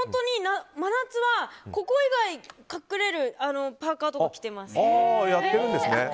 真夏は目以外隠れるパーカとか着ています。